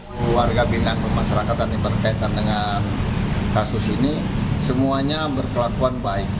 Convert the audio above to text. keluarga binaan pemasarakatan yang berkaitan dengan kasus ini semuanya berkelakuan baik